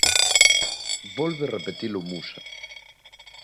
Volve repetilo Musa.